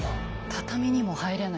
畳にも入れない。